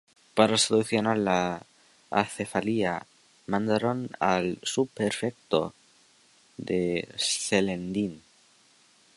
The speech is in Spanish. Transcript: Para solucionar la acefalía mandaron al subprefecto de Celendín.